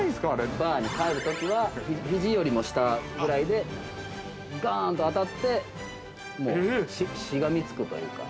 ◆バーに帰るときは、ひじよりも下ぐらいで、ガーンと当たってもうしがみつくというか。